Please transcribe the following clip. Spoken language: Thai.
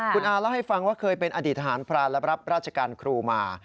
คุณอาเล่าให้ฟังว่าเคยเป็นอดีตทหารพรานและรับราชการครูมา